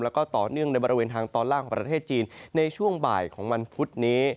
แล้วก็ต่อเนื่องในบริเวณทางตอนล่างของประเทศจีนในช่วงบ่ายของวันพุธนี้